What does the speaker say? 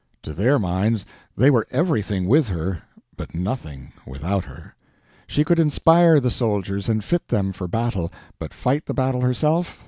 To their minds they were everything with her, but nothing without her. She could inspire the soldiers and fit them for battle—but fight the battle herself?